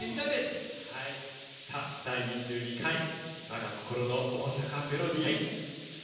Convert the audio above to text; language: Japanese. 「第２２回わが心の大阪メロディー」。